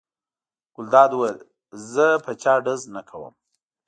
ګلداد وویل: زه په چا ډز نه کوم.